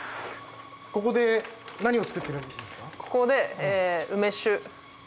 ここで何をつくってるんですか？